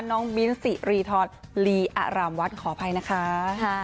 น้องบิ้นสิริธรลีอารามวัดขออภัยนะคะ